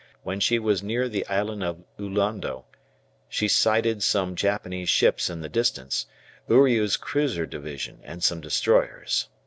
when she was near the island of Ullondo, she sighted some Japanese ships in the distance, Uriu's cruiser division and some destroyers.